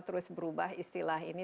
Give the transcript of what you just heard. terus berubah istilah ini